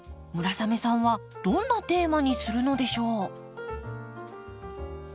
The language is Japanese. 村雨さんはどんなテーマにするのでしょう？